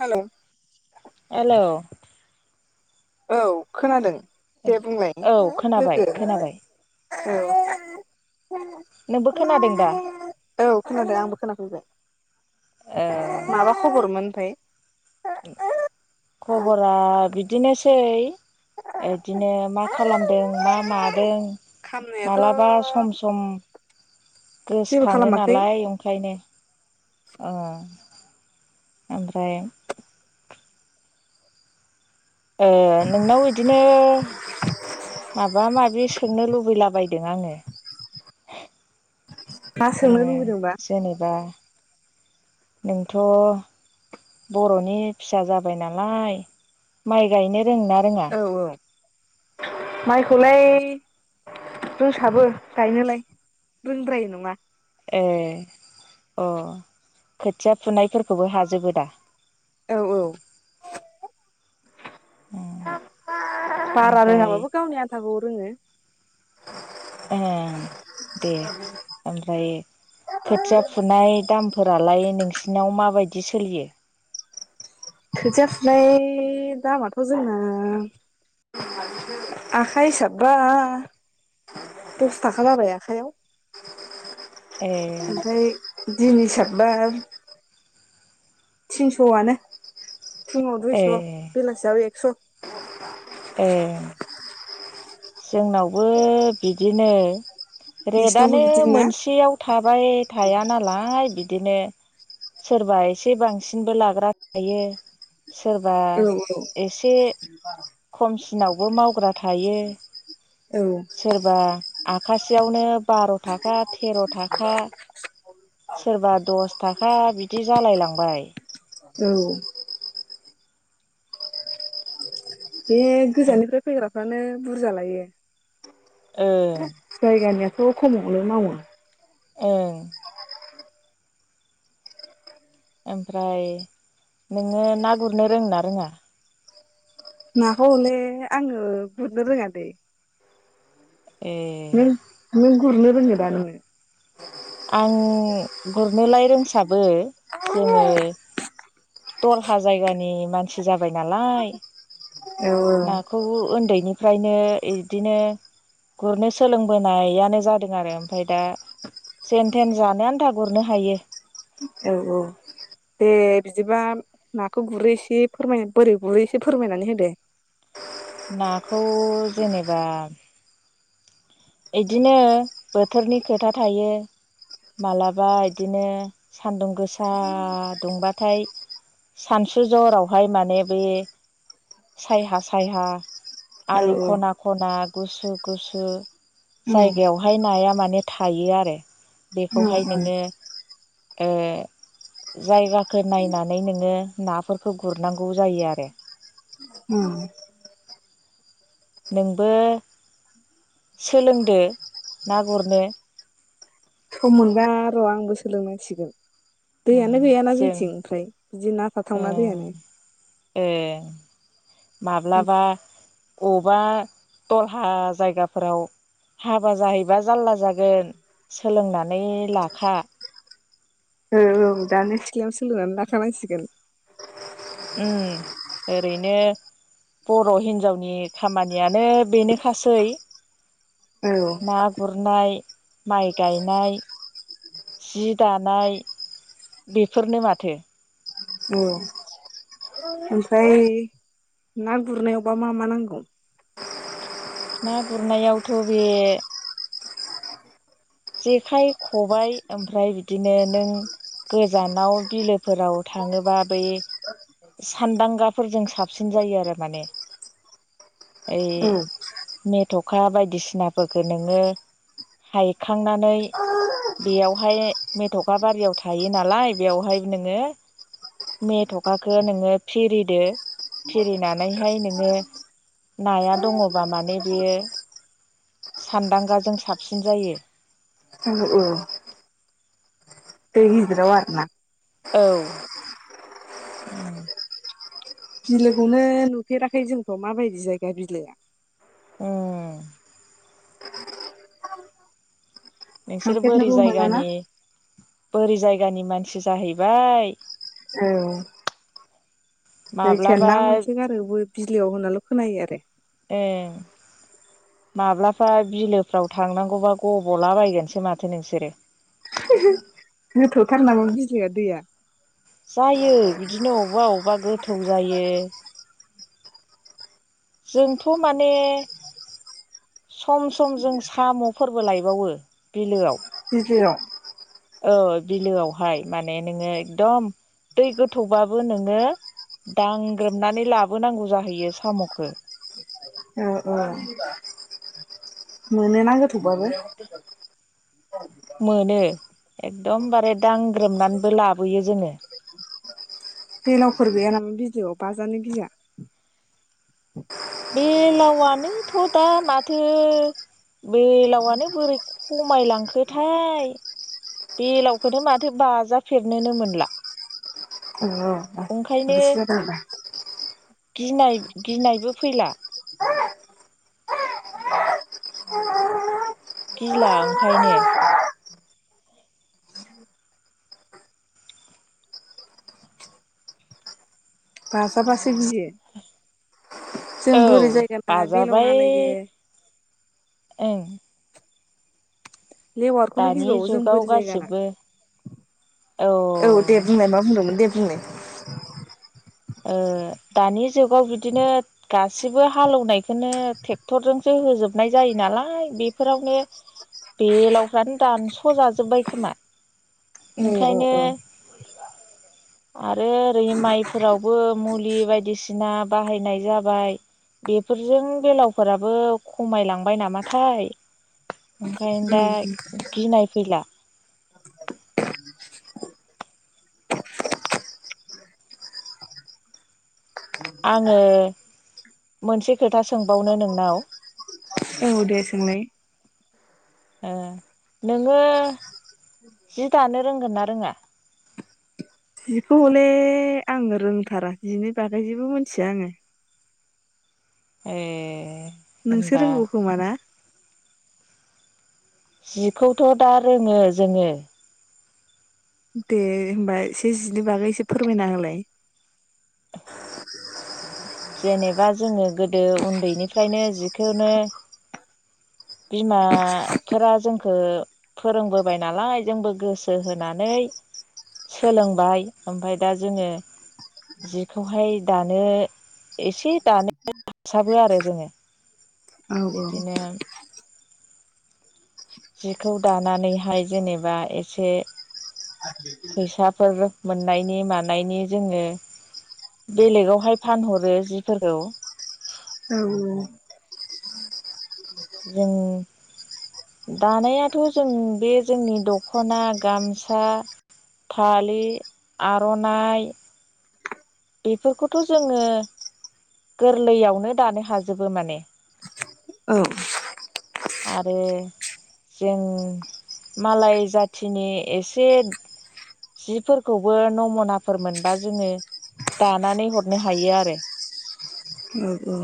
Hello एलौ औ खोनादों दे बुंलाय औ खोनाबाय लोगो। खोनाबाय औ। नोंबो खोनादों दा [inaudible] औ खोनादों आंबो खोनाफैबाय ओ [inaudible] माबा खबरमोन ओमफाय? [inaudible] खबरा बिदिनोसै। इदिनो मा खालामदों मा मादों? खामनायाथ' मालाबा सम सम जेबो गोसोखाङो खालामाखै नालाय ओंखायनो। अ [inaudible] ओमफ्राय? ओ नोंनाव इदिनो माबा माबि सोंनो लुबैलाबाय दों आङो। [inaudible] मा ओ सोंनो लुबैदोंबा जेनेबा नोंथ' बर'नि फिसा जाबाय नालाय माइ गायनो रोंना रोंङा? औ औ माइखौलाय रोंसाबो गायनोलाय। रोंद्रायै नङा। ए अ खोथिया फुनायफोर खौबो हाजोबो दा? [inaudible] औ औ [inaudible] बारा ओमफ्राय रोङाबाबो गावनि आन्थाखौ रोङो। ए दे ओमफ्राय खोथिया फुनाय दामफ फोरालाय नोंसिनाव माबायदि सोलियो? खोथिया फुनाय दामाथ' जोंना आखाइ हिसाबबा दस थाखा जाबाय आखाइयाव। ए। ओमफ्राय दिन हिसाब बा थिनस'आनो फुङाव ए दुइस' बेलासियाव एक्स'। ए। जोंनावबो बिदिनो नोंसिनावबो रेटानो बिदिना मोनसेयाव था फाय थाया नालाय बिदिनो सोरबा एसे बांसिनबो लाग्रा थायो। सोरबा औ औ एसे खमसिनावबो मावग्रा थायो। औ सोरबा आखासेयावनो बार' थाखा तेर' थाखा। सोरबा दस थाखा बिदि जालाय लांबाय। औ। बे ओं गोजाननिफ्राय फैग्राफ्रानो बुरजा लायो। जायगानियाथ' खमावनो मावो। ओं। ओमफ्राय नोङो ना गुरनो रों ना रोङा? नाखौ हले आङो गुरनो रोङा दै। ए। नों नों गुरनो रोङो दा नोङो? आं गुरनोलाय रोंसाबो जोङो दरहा जायगानि मानसि जाबाय नालाय औ औ नाखौ उन्दै बेनिफ्रायनो इदिनो गुरनो सोलोंबोनायानो जादों आरो ओमफ्राय दा जेन थेन जानाय आनथा गुरनो हायो। औ औ। दे बिदिबा नाखौ गुरै एसे फोरमाय बोरै गुरै एसे फोरमायनानै होदो। नाखौ जेनेबा इदिनो बोथोरनि खोथा थायो। मालाबा बिदिनो सान्दुं गोसा दुंबाथाय सानसु जरावहाय माने बे सायहा सायहा औ आलि औ खना खना गुसु गुसु उम जायगायावहाय नाया माने थायो आरो उम बेखौहाय उम नोङो ए जायगाखौ नायनानै नोङो नाफोरखौ गुरनांगौ जायो आरो। उम नोंबो सोलोंदो ना गुरनो सम मोनबाय र' आंबो सोलोंनांसिगोन। दैयानो गैयाना जों जोंथिं ओमफ्राय बिदि ना थाथावना दैयानो। ए माब्लाबा ओमफ्राय बबेबा दलहा जायगाफोराव हाबा जाहैबा जालला जागोन सोलोंनानै लाखा। औ दानि सिख्लायाव सोलोंनानै लााखानांसिगोन। उम ओरैनो बर' हिनजावनि खामानियानो बेनोखासै। औ ना गुरनाय माइ गायनाय जि दानाय बेफोरनो माथो औ ओमफ्राय ना गुरनायावबा मा मा नांगौ। ना गुरनायावथ' बे जेखाइ खबाय ओमफ्राय बिदिनो नों गोजानाव बिलोफोराव थाङोबा बै सानदांगाफोरजों साबसिन जायो आरो माने ओइ औ मेथ'खा बायदिसिनाफोरखौ नोङो हाइक खांनानै बेयावहाय मेथ'खा बारियाव थायो नालाय बेयावहाय नोङो मेथ'खााखो नोङो फिरिदो फिरिनानैहाय नोङो नाया दङबा माने बेयो सान्दांगाजों साबसिन जायो औ औ दै गिदिराव आरो ना औ बिलोखौनो नुफेराखै जोंथ' माबायदि जायगा बिलोआ उम नोंसोर बोरि थांफेरनोबो मोनाना जायगानि बोरि जायगानि मानसि जाहैबाय औ जायखिजाया माब्लाबा ना मोनसोगारो बिलोआव होनल' खोनायो आरो ए माब्लाफा बिलोफ्राव थांनांगौबा गब'लाबायायगोनसो माथो नोंसोरो गोथौथार नामा बिलोआ दैया? जायो बिदिनो अबेबा अबेबा गोथौ जायो जोंथ' माने सम सम जों साम'फोरबो लायबावो बिलोआव [unintelligible] औ बिलोआवहाय माने नोङो एकदम दै गोथौबाबो नोङो दांग्रोमनानै लाबोनांगौ जाहैयो साम'खौ औ औ मोनोना गोथौबाबो मोनो एकदमबारे दांग्रोमनानैबो लाबोयो जोङो बेलावफोर गैया नामा बिलोआव बाजानो गिया? बेलावआनोथ' दा माथो बेलावनो बोरै खमायलांखोथाय बेलावखौथो माथो बाजाफेरनोनो मोनला अ बिस ओंखायनो दा [inaudible] गिनाय गिनायबो फैला गिला ओंखायनो बाजाबासो गियो जों औ बोरि जायगा ना बेलाव बाजाबाय नालागे ए लेवारखौनो दानि गिबावो जों जुगाव बोरै जायगाना गासिबो औ दे बुंनाय मा बुंदोंमोन दे बुंनाय ओ दानि जुगाव बिदिनो गासिबो हालौनायखौ ट्रेक्टरजोंसो होजोबनाय जायो नालाय बेफोरावनो बेलावफ्रानो दानस' जाजोबबाय खोमा अ अ ओंखायनो अ आरो ओरै माइ फोरावबो मुलि बायदिसिना बाहायनाय जाबाय बेफोरजों बेलावफोराबो खमायलांबाय नामाथाय ओंखायनो दा उम गिनाय फैला आङो मोनसे खोथा सोंबावनो नोंनाव औ दे सोंलाय ओ नोङो जि दानो रोंगोना रोङा जिखौ हले आङो रोंथारा जिनि बागै जेबो मिथिया आङो ए नोंसो होनबा रोंगौ खोमाना जिखौथ' दा रोङो जोङो दे होमबा एसे जिनि बागै एसे फोरमायना होलाय [inaudible] जेनेबा जोङो गोदो उन्दैनिफ्रायनो जिखौनो बिमाफोरा जों खौ फोरोंबोबाय नालाय जोंबो गोसो होनानै सोलोंबाय ओमफ्राय दा जोङो जिखौहाय दानो एसे दानो हासाबो आरो जोङो औ-औ बिदिनो जिखौ दानानैहाय जेनेबा एसे फैसाफोर मोननायनि मानायनि जोङो बेलेगावहाय फानहरो जिफोरखौ औ-औ जों दानायाथ' जों बे जोंनि दख'ना गामसा फालि आर'नाइ बेफोरखौथ' जोङो गोरलैयावनो दानो हाजोबो माने औ आरो जों मालाय जाथिनि एसे जिफोरखौबो नमनाफोर मोनबा जोङो दानानै हरनो हायो आरो औ-औ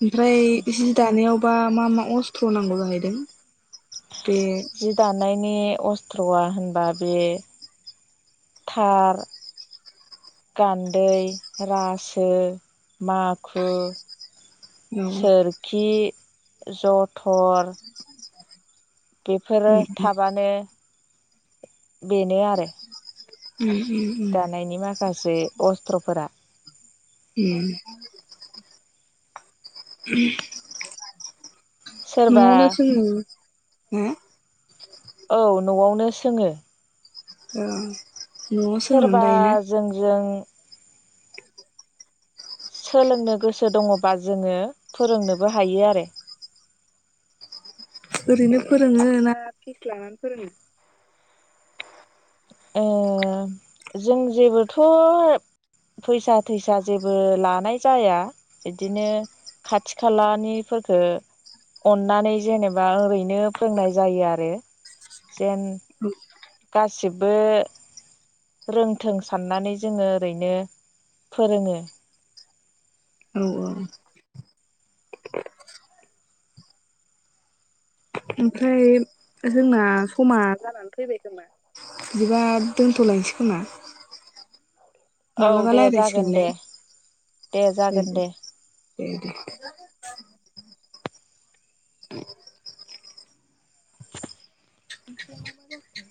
ओमफ्राय जि दानायावबा मा-मा अस्त्र' नांगौ जाहैदों बे जि दानायनि अस्त्र'आ होनबा बे थार गान्दै रासो माखु औ सोरखि जथर बेफोरो उम थाबानो बेनो आरो उम उम दानायनि माखासे अस्त्र'फोरा उम सोरबा न'आवनो सोङो औ न'आवनो सोङो औ न'आवसोंनान सोरबा दायोना जोंजों सोलोंनो गोसो दङबा जोङो फोरोंनोबो हायो आरो। ओरैनो फोरोङो ना फिस लानानै फोरोङो जों जेबोथ' फैसा थैसा जेबो लानाय जाया बिदिनो खाथि खालानि फोरखौ अननानै जेनेबा ओरैनो फोरोंनाय जायो आरो जेन गासिबो रोंथों साननानै जोङो ओरैनो फोरोङो। औ औ ओमफ्राय जोंना समा जानानै फैबाय खोमा। बिदिबा दोनथ'लायनोसै खोमा औ मालाबा दे जागोन रायलायसिगोनलाय दे औ दे दे दे। [inaudible] मा जाखो?